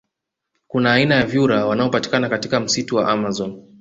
Kuna aina ya vyura wanaopatikana katika msitu wa amazon